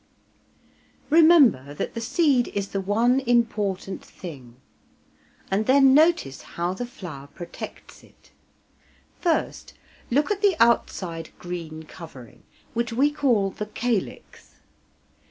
Remember that the seed is the one important thing and then notice how the flower protects it. First, look at the outside green covering, which we call the calyx.